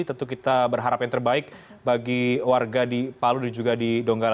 tentu kita berharap yang terbaik bagi warga di palu dan juga di donggala